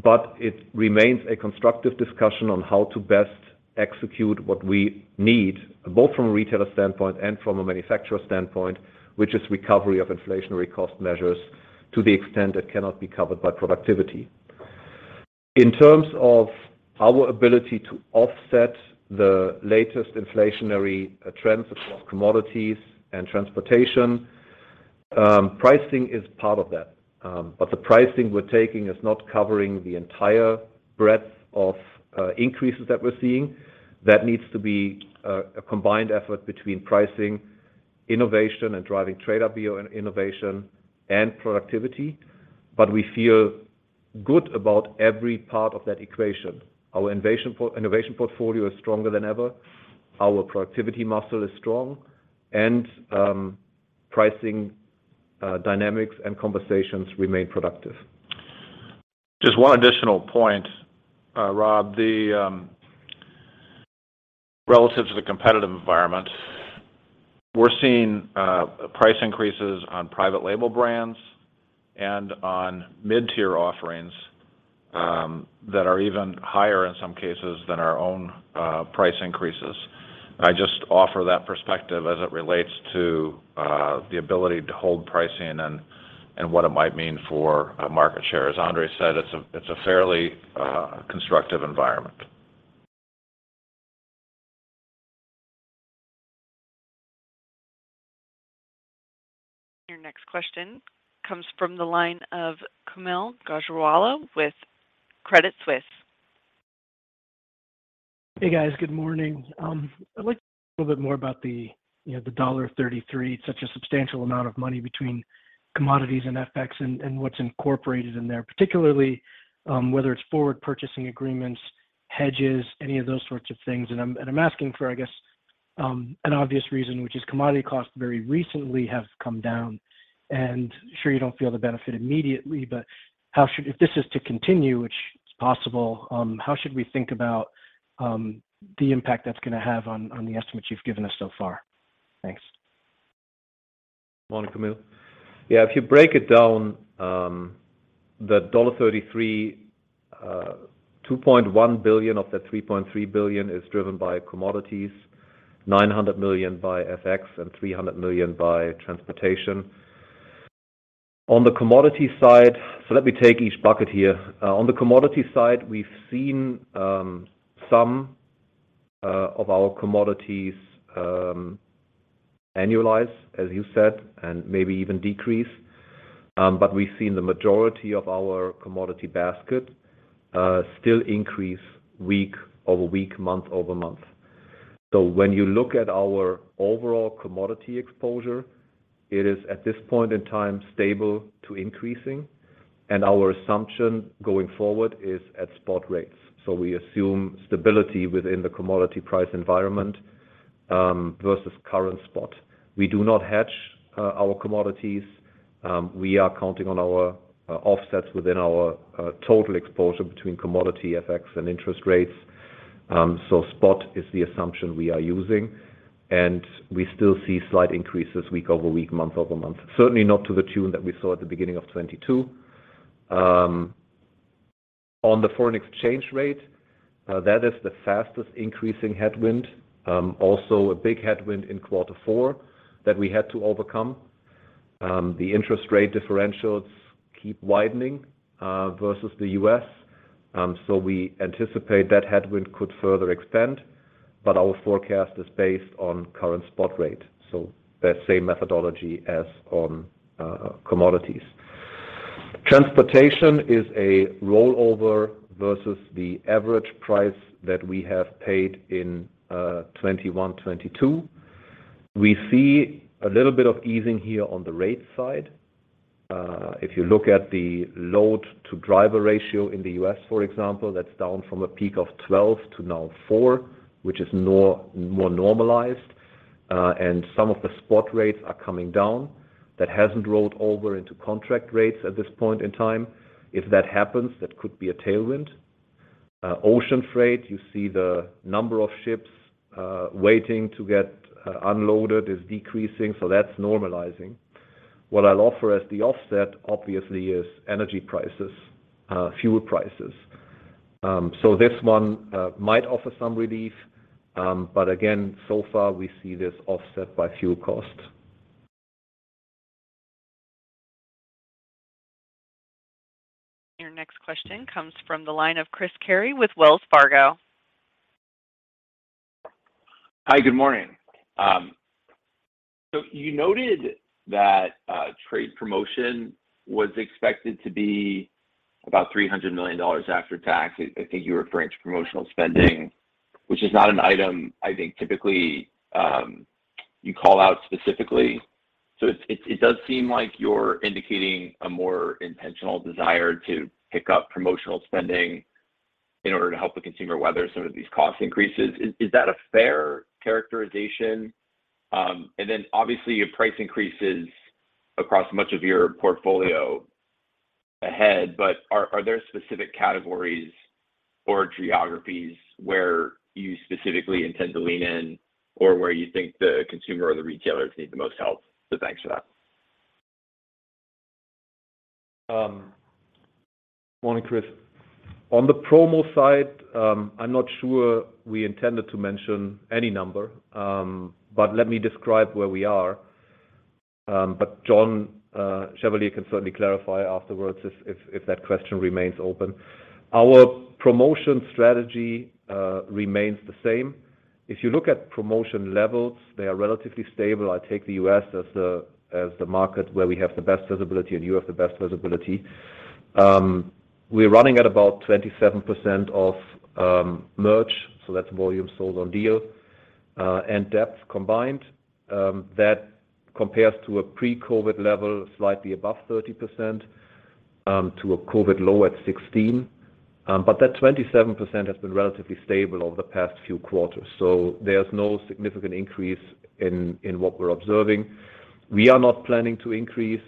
but it remains a constructive discussion on how to best execute what we need, both from a retailer standpoint and from a manufacturer standpoint, which is recovery of inflationary cost measures to the extent that cannot be covered by productivity. In terms of our ability to offset the latest inflationary trends across commodities and transportation, pricing is part of that. The pricing we're taking is not covering the entire breadth of increases that we're seeing. That needs to be a combined effort between pricing, innovation and driving trade up via innovation and productivity. We feel good about every part of that equation. Our innovation portfolio is stronger than ever. Our productivity muscle is strong and pricing dynamics and conversations remain productive. Just one additional point, Rob. The relative to the competitive environment, we're seeing price increases on private-label brands and on mid-tier offerings that are even higher in some cases than our own price increases. I just offer that perspective as it relates to the ability to hold pricing and what it might mean for market share. As Andre said, it's a fairly constructive environment. Your next question comes from the line of Kaumil Gajrawala with Credit Suisse. Hey, guys. Good morning. I'd like to know a little bit more about the, you know, the $33. Such a substantial amount of money between commodities and FX and what's incorporated in there, particularly, whether it's forward purchasing agreements, hedges, any of those sorts of things. I'm asking for, I guess, an obvious reason, which is commodity costs very recently have come down. Sure you don't feel the benefit immediately, but if this is to continue, which is possible, how should we think about the impact that's gonna have on the estimates you've given us so far? Thanks. Morning, Kaumil. Yeah, if you break it down, the $1.33, $2.1 billion of that $3.3 billion is driven by commodities, $900 million by FX and $300 million by transportation. On the commodity side. Let me take each bucket here. On the commodity side, we've seen some of our commodities annualize, as you said, and maybe even decrease. But we've seen the majority of our commodity basket still increase week-over-week, month-over-month. When you look at our overall commodity exposure, it is at this point in time, stable to increasing, and our assumption going forward is at spot rates. We assume stability within the commodity price environment versus current spot. We do not hedge our commodities. We are counting on our offsets within our total exposure between commodity, FX and interest rates. Spot is the assumption we are using, and we still see slight increases week-over-week, month-over-month. Certainly not to the tune that we saw at the beginning of 2022. On the foreign exchange rate, that is the fastest increasing headwind. Also a big headwind in Q4 that we had to overcome. The interest rate differentials keep widening versus the U.S. We anticipate that headwind could further extend, but our forecast is based on current spot rates. That same methodology as on commodities. Transportation is a rollover versus the average price that we have paid in 2021, 2022. We see a little bit of easing here on the rate side. If you look at the load-to-driver ratio in the U.S., for example, that's down from a peak of 12 to now four, which is more normalized. Some of the spot rates are coming down. That hasn't rolled over into contract rates at this point in time. If that happens, that could be a tailwind. Ocean freight, you see the number of ships waiting to get unloaded is decreasing, so that's normalizing. What I'll offer as the offset, obviously, is energy prices, fuel prices. This one might offer some relief. Again, so far, we see this offset by fuel costs. Your next question comes from the line of Chris Carey with Wells Fargo. Hi, good morning. You noted that trade promotion was expected to be about $300 million after tax. I think you were referring to promotional spending, which is not an item I think typically you call out specifically. It does seem like you're indicating a more intentional desire to pick up promotional spending in order to help the consumer weather some of these cost increases. Is that a fair characterization? Obviously price increases across much of your portfolio ahead, but are there specific categories or geographies where you specifically intend to lean in or where you think the consumer or the retailers need the most help? Thanks for that. Morning, Chris. On the promo side, I'm not sure we intended to mention any number. But let me describe where we are. But John Chevalier can certainly clarify afterwards if that question remains open. Our promotion strategy remains the same. If you look at promotion levels, they are relatively stable. I take the U.S. as the market where we have the best visibility, and you have the best visibility. We're running at about 27% of merch. So that's volume sold on deal and depth combined. That compares to a pre-COVID level, slightly above 30%, to a COVID low at 16%. But that 27% has been relatively stable over the past few quarters. So there's no significant increase in what we're observing. We are not planning to increase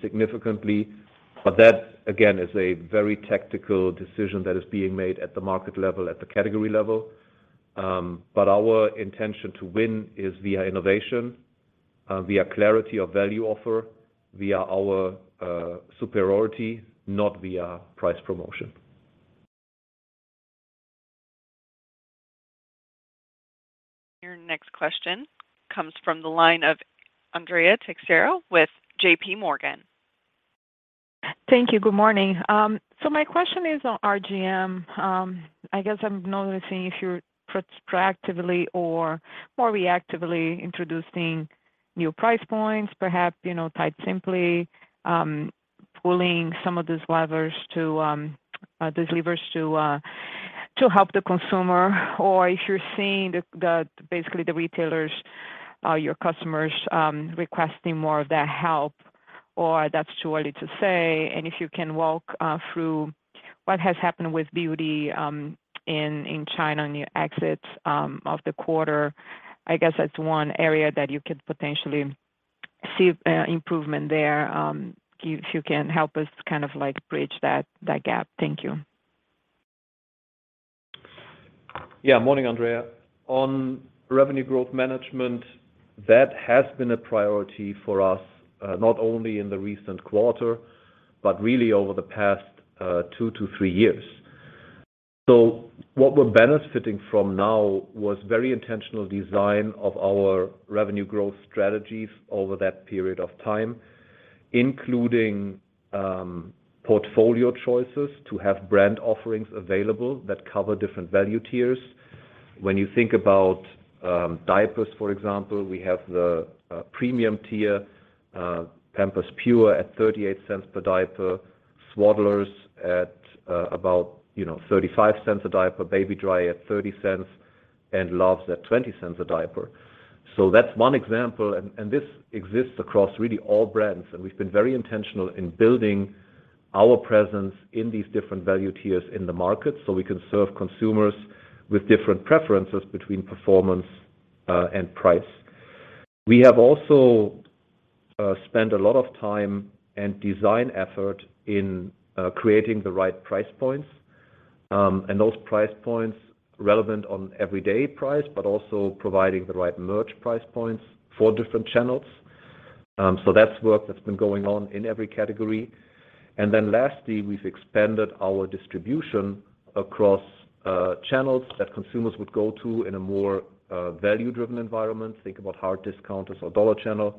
significantly. That, again, is a very tactical decision that is being made at the market level, at the category level. Our intention to win is via innovation, via clarity of value offer, via our, superiority, not via price promotion. Your next question comes from the line of Andrea Teixeira with JPMorgan. Thank you. Good morning. My question is on RGM. I guess I'm noticing if you're proactively or more reactively introducing new price points, perhaps, you know, by simply pulling some of these levers to help the consumer. Or if you're seeing basically the retailers, your customers, requesting more of that help, or that's too early to say. If you can walk through what has happened with beauty in China on your exits of the quarter. I guess that's one area that you could potentially see improvement there. If you can help us kind of like bridge that gap. Thank you. Yeah. Morning, Andrea. On revenue growth management, that has been a priority for us, not only in the recent quarter, but really over the past two-three years. What we're benefiting from now was very intentional design of our revenue growth strategies over that period of time, including portfolio choices to have brand offerings available that cover different value tiers. When you think about diapers, for example, we have the premium tier Pampers Pure at $0.38 per diaper, Swaddlers at about, you know, $0.35 a diaper, Baby-Dry at $0.30, and Luvs at $0.20 a diaper. That's one example. This exists across really all brands. We've been very intentional in building our presence in these different value tiers in the market so we can serve consumers with different preferences between performance, and price. We have also spent a lot of time and design effort in creating the right price points, and those price points relevant to everyday pricing, but also providing the right merch price points for different channels. That's work that's been going on in every category. Lastly, we've expanded our distribution across channels that consumers would go to in a more value-driven environment, think about hard discounters or dollar channel, to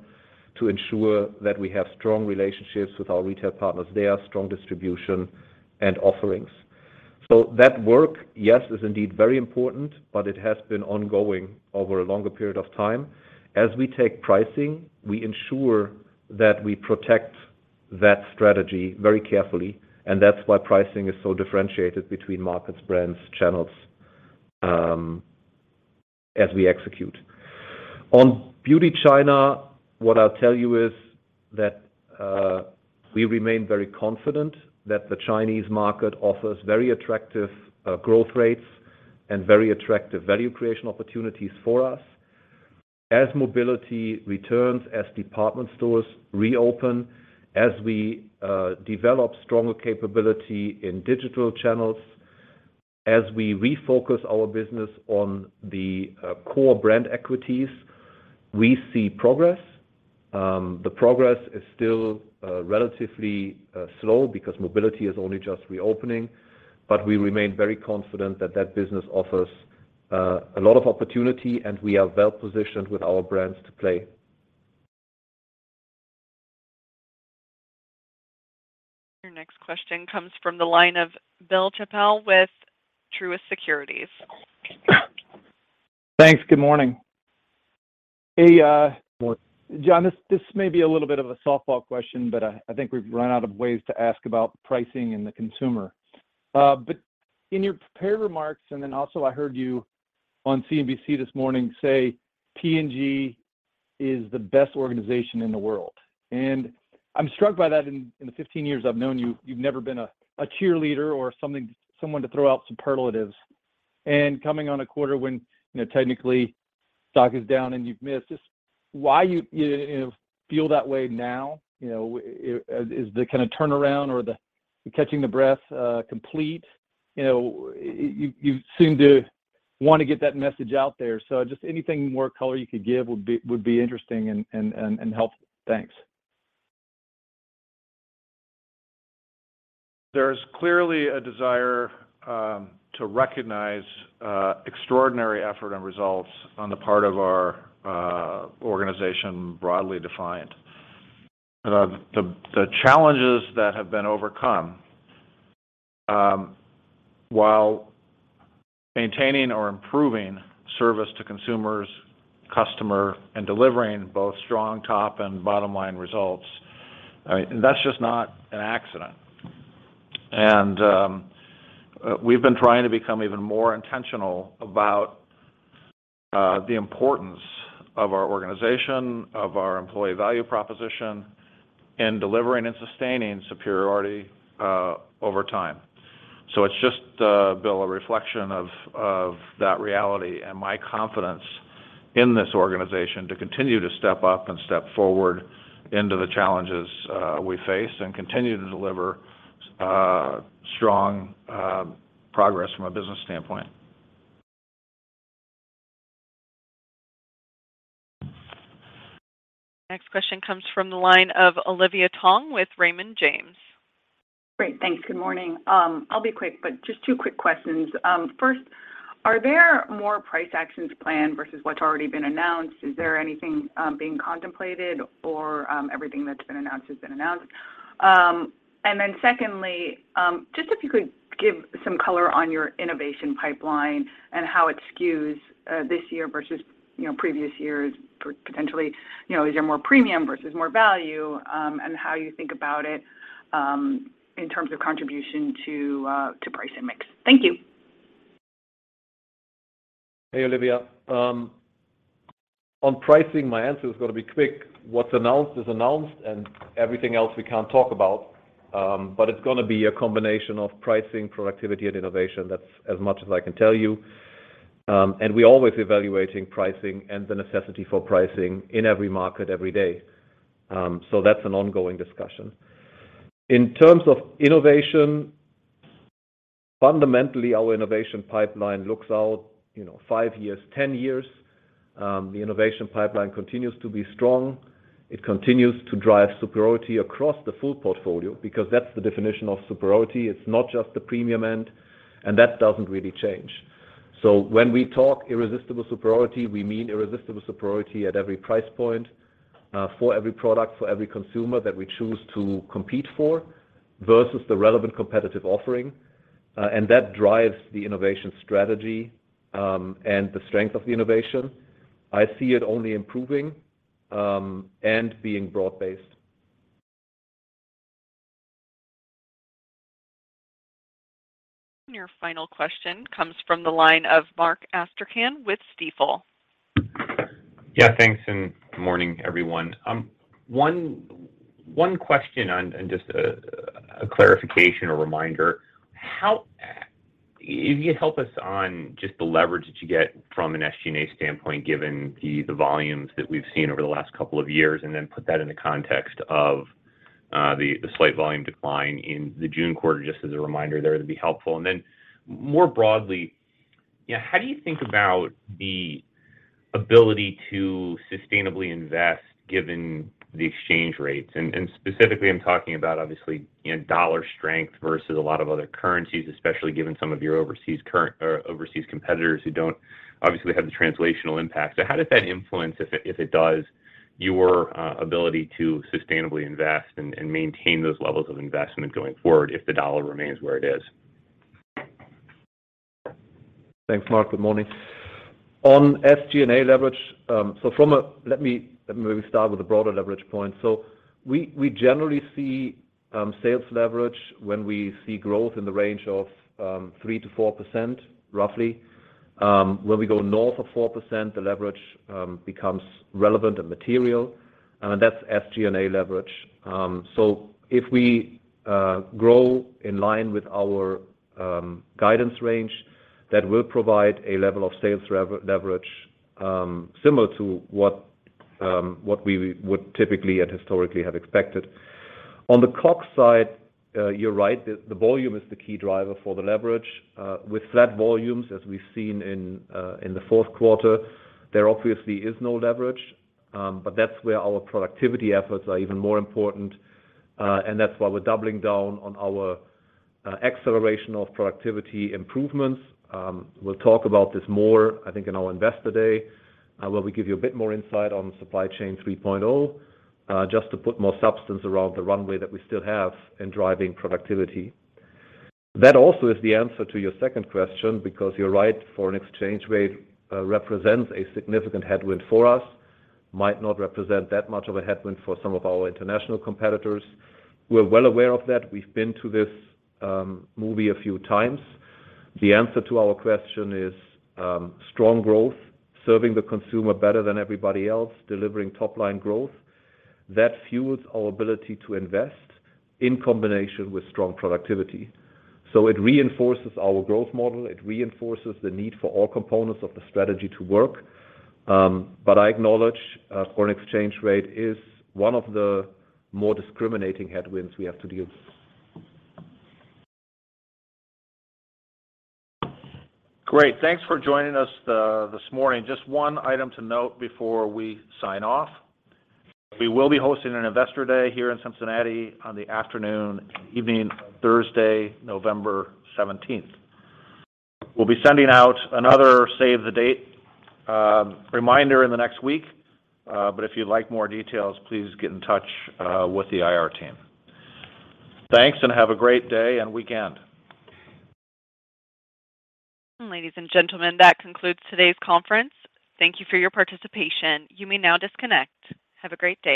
ensure that we have strong relationships with our retail partners there, strong distribution and offerings. That work, yes, is indeed very important, but it has been ongoing over a longer period of time. As we take pricing, we ensure that we protect that strategy very carefully, and that's why pricing is so differentiated between markets, brands, channels, as we execute. On Beauty China, what I'll tell you is that, we remain very confident that The Chinese market offers very attractive, growth rates and very attractive value creation opportunities for us. As mobility returns, as department stores reopen, as we, develop stronger capability in digital channels, as we refocus our business on the, core brand equities, we see progress. The progress is still, relatively, slow because mobility is only just reopening. We remain very confident that that business offers, a lot of opportunity, and we are well-positioned with our brands to play. Your next question comes from the line of Bill Chappell with Truist Securities. Thanks. Good morning. Good morning. Jon, this may be a little bit of a softball question, but I think we've run out of ways to ask about pricing and the consumer. In your prepared remarks, and then also I heard you on CNBC this morning say P&G is the best organization in the world. I'm struck by that in the 15 years I've known you've never been a cheerleader or something, someone to throw out some superlatives. Coming on a quarter when you know, technically stock is down and you've missed. Just why you feel that way now? You know, is the kind of turnaround or the catching the breath complete? You know, you seem to want to get that message out there. Just anything more color you could give would be interesting and helpful. Thanks. There's clearly a desire to recognize extraordinary effort and results on the part of our organization, broadly defined. The challenges that have been overcome while maintaining or improving service to consumers, customer, and delivering both strong top and bottom-line results, I mean, that's just not an accident. We've been trying to become even more intentional about the importance of our organization, of our employee value proposition in delivering and sustaining superiority over time. It's just, Bill, a reflection of that reality and my confidence in this organization to continue to step up and step forward into the challenges we face and continue to deliver strong progress from a business standpoint. Next question comes from the line of Olivia Tong with Raymond James. Great. Thanks. Good morning. I'll be quick, but just two quick questions. First, are there more price actions planned versus what's already been announced? Is there anything being contemplated or everything that's been announced has been announced? And then secondly, just if you could give some color on your innovation pipeline and how it skews this year versus, you know, previous years potentially. You know, is there more premium versus more value and how you think about it in terms of contribution to price and mix. Thank you. Hey, Olivia. On pricing, my answer is gonna be quick. What's announced is announced, and everything else we can't talk about. It's gonna be a combination of pricing, productivity, and innovation. That's as much as I can tell you. We're always evaluating pricing and the necessity for pricing in every market every day. That's an ongoing discussion. In terms of innovation, fundamentally, our innovation pipeline looks out, you know, five years, 10 years. The innovation pipeline continues to be strong. It continues to drive superiority across the full portfolio because that's the definition of superiority. It's not just the premium end, and that doesn't really change. When we talk irresistible superiority, we mean irresistible superiority at every price point, for every product, for every consumer that we choose to compete for versus the relevant competitive offering. That drives the innovation strategy, and the strength of the innovation. I see it only improving, and being broad-based. Your final question comes from the line of Mark Astrachan with Stifel. Yeah, thanks, good morning, everyone. One question and just a clarification or reminder. If you help us on just the leverage that you get from an SG&A standpoint, given the volumes that we've seen over the last couple of years, and then put that in the context of the slight volume decline in the June quarter, just as a reminder there to be helpful. Then more broadly, yeah, how do you think about the ability to sustainably invest given the exchange rates? Specifically, I'm talking about obviously, you know, dollar strength versus a lot of other currencies, especially given some of your overseas or overseas competitors who don't obviously have the translational impact. How does that influence, if it does, your ability to sustainably invest and maintain those levels of investment going forward if the dollar remains where it is? Thanks, Mark. Good morning. On SG&A leverage, let me maybe start with a broader leverage point. We generally see sales leverage when we see growth in the range of 3%-4%, roughly. When we go north of 4%, the leverage becomes relevant and material, and that's SG&A leverage. If we grow in line with our guidance range, that will provide a level of sales leverage similar to what we would typically and historically have expected. On the COGS side, you're right. The volume is the key driver for the leverage. With flat volumes, as we've seen in the fourth quarter, there obviously is no leverage. That's where our productivity efforts are even more important, and that's why we're doubling down on our acceleration of productivity improvements. We'll talk about this more, I think, in our Investor Day, where we give you a bit more insight on Supply Chain 3.0, just to put more substance around the runway that we still have in driving productivity. That also is the answer to your second question because you're right, foreign exchange rate represents a significant headwind for us. Might not represent that much of a headwind for some of our international competitors. We're well aware of that. We've been to this movie a few times. The answer to our question is strong growth, serving the consumer better than everybody else, delivering top-line growth. That fuels our ability to invest in combination with strong productivity. It reinforces our growth model. It reinforces the need for all components of the strategy to work. I acknowledge foreign exchange rate is one of the more discriminating headwinds we have to deal with. Great. Thanks for joining us this morning. Just one item to note before we sign off. We will be hosting an Investor Day here in Cincinnati on the afternoon and evening of Thursday, November 17. We'll be sending out another save-the-date reminder in the next week. If you'd like more details, please get in touch with the IR team. Thanks, and have a great day and weekend. Ladies and gentlemen, that concludes today's conference. Thank you for your participation. You may now disconnect. Have a great day.